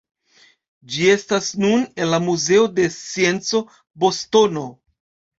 Ĝi estas nun en la muzeo de scienco, Bostono.